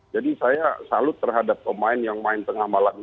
jadi saya salut terhadap pemain yang main setengah malam